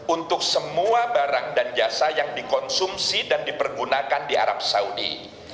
untuk semua barang dan jasa yang dikonsumsi dan dipergunakan di arab saudi